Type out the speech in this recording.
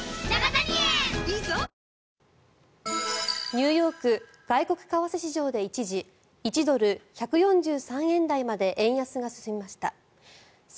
ニューヨーク外国為替市場で一時、１ドル＝１４３円台まで円安が進みました。